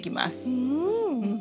うん！